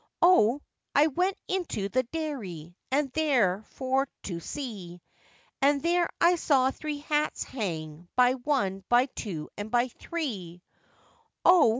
O! I went into the dairy, and there for to see, And there I saw three hats hang, by one, by two, and by three; O!